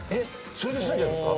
それで済んじゃうんですか？